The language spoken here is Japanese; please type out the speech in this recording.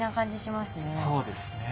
そうですね。